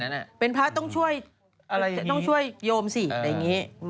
แกล้งแกล้งแกล้งแกล้งแกล้ง